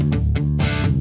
mana surat rumah